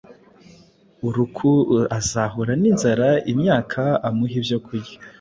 Uruk azahura ninzara imyaka amuha ibyokurya